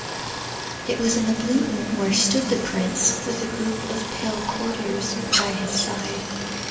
It was in the blue room where stood the prince, with a group of pale courtiers by his side.